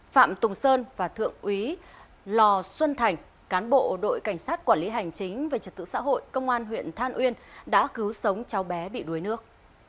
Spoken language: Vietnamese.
phạm tùng sơn và thượng úy lò xuân thành cán bộ đội cảnh sát quản lý hành chính về trật tự xã hội công an huyện than uyên đã cứu sống cháu bé bị đuối nước